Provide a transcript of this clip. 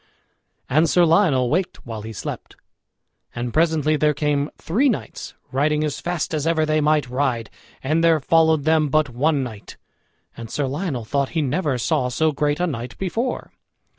And Sir Lionel waked while he slept. And presently there came three knights riding as fast as ever they might ride, and there followed them but one knight. And Sir Lionel thought he never saw so great a knight before.